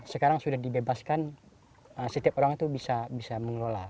sekarang sudah dibebaskan setiap orang itu bisa mengelola